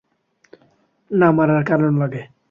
না মারার কারণ লাগে।